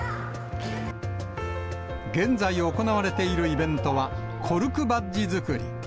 現在行われているイベントは、コルクバッジ作り。